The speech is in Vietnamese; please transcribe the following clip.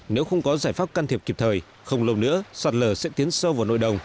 nếu không có giải pháp can thiệp kịp thời không lâu nữa sạt lở sẽ tiến sâu vào nội đồng